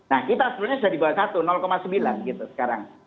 nah kita sebenarnya sudah di bawah satu sembilan gitu sekarang